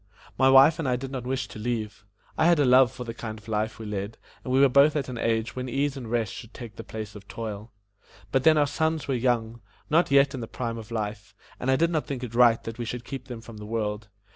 My wife and I did not wish to leave. I had a love for the kind of life we led, and we were both at an age when ease and rest should take the place of toil. But then our sons were young not yet in the prime of life and I did not think it right that we should keep them from the world.